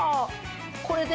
これで？